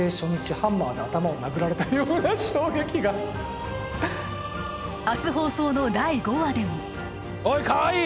ハンマーで頭を殴られたような衝撃が明日放送の第５話でもおい河合！